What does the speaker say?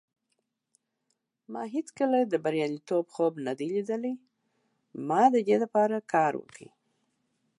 ما هیڅکله د بریالیتوب خوب نه دی لیدلی. ما د دې لپاره کار وکړ.